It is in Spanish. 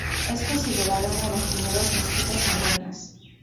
Es considerada una de las primeras mezquitas modernas.